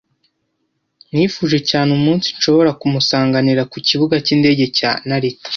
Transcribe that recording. Nifuje cyane umunsi nshobora kumusanganira ku Kibuga cy'indege cya Narita.